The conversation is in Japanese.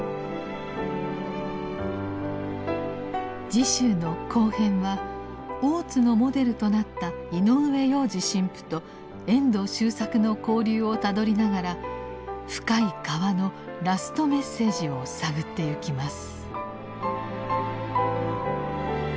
次週の「後編」は大津のモデルとなった井上洋治神父と遠藤周作の交流をたどりながら「深い河」のラスト・メッセージを探ってゆきます。